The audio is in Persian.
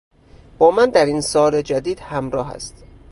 با من در این سال جدید همراه است.